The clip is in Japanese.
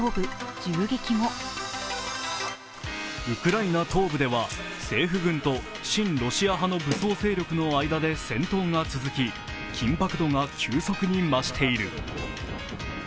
ウクライナ東部では政府軍と親ロシア派の武装勢力の間で戦闘が続き、緊迫度が急速に増している。